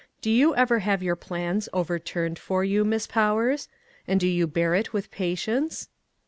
Do you ever have your plans overturned for you, Miss Powers, and do you bear it with pa tience